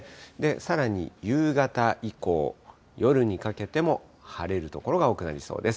さらに夕方以降、夜にかけても晴れる所が多くなりそうです。